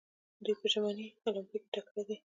دوی په ژمني المپیک کې تکړه دي.